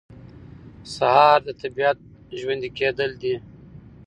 سهار د طبیعت ژوندي کېدل دي.